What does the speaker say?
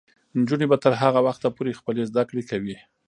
نجونې به تر هغه وخته پورې خپلې زده کړې کوي.